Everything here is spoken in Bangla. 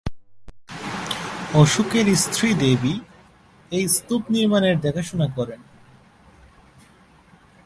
অশোকের স্ত্রী দেবী এই স্তূপ নির্মাণের দেখাশোনা করেন।